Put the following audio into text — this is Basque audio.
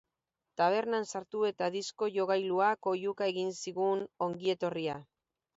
Tabernan sartu eta disko-jogailuak oihuka egin zigun ongietorria.